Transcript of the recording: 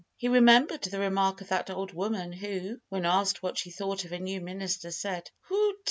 He remembered the remark of that old woman, who, when asked what she thought of a new minister, said, "Hoot!